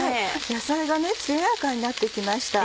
野菜が艶やかになって来ました。